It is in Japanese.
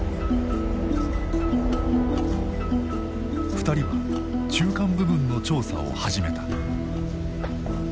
２人は中間部分の調査を始めた。